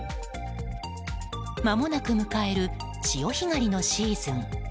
まもなく迎える潮干狩りのシーズン。